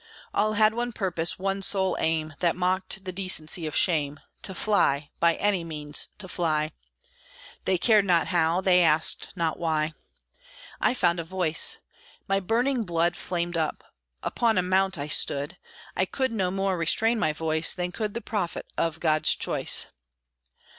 All had one purpose, one sole aim, That mocked the decency of shame, To fly, by any means to fly; They cared not how, they asked not why. I found a voice. My burning blood Flamed up. Upon a mound I stood; I could no more restrain my voice Than could the prophet of God's choice.